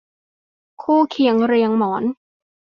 คู่เคียงเรียงหมอน